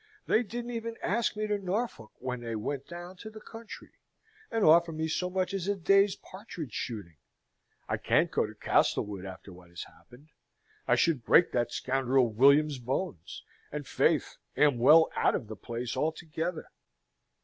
They didn't even ask me to Norfolk when they went down to the country, and offer me so much as a day's partridge shooting. I can't go to Castlewood after what has happened; I should break that scoundrel William's bones; and, faith, am well out of the place altogether."